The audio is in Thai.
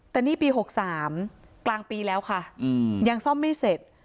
แต่นี่ปี๖๓กลางปีแล้วค่ะยังซ่อมไม่เสร็จ